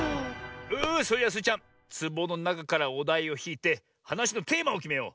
それじゃスイちゃんつぼのなかからおだいをひいてはなしのテーマをきめよう。